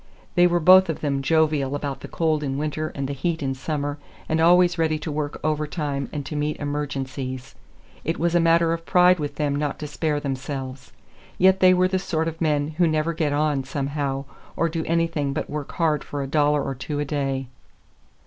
They were both of them jovial about the cold in winter and the heat in summer, always ready to work overtime and to meet emergencies. It was a matter of pride with them not to spare themselves. Yet they were the sort of men who never get on, somehow, or do anything but work hard for a dollar or two a day.